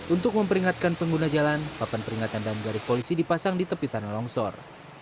untuk memperingatkan pengguna jalan papan peringatan dan garis polisi dipasang di tepi tanah longsor